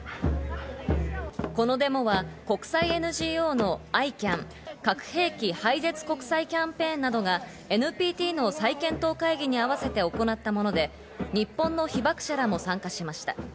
このデモは国際ＮＧＯのＩＣＡＮ＝核兵器廃絶国際キャンペーンなどがＮＰＴの再検討会議に合わせて行ったもので、日本の被爆者らも参加しました。